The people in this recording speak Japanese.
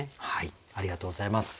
ありがとうございます。